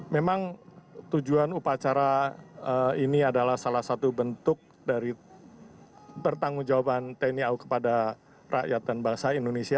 memang tujuan upacara ini adalah salah satu bentuk dari pertanggung jawaban tni au kepada rakyat dan bangsa indonesia